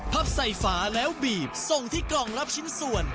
พับใส่ฝาแล้วบีบส่งที่กล่องรับชิ้นส่วน